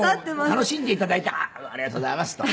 「楽しんでいただいてありがとうございます」と。